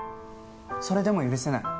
それでも許せないの？